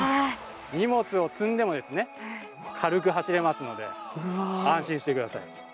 荷物を積んでも軽く走れますので安心してください。